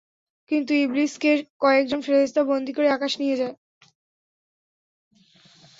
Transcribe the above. কিন্তু ইবলীসকে কয়েকজন ফেরেশতা বন্দী করে আকাশে নিয়ে যায়।